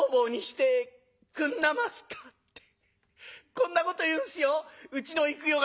こんなこと言うんすようちの幾代が」。